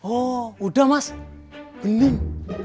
oh udah mas bening